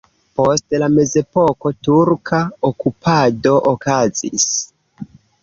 Post la mezepoko turka okupado okazis.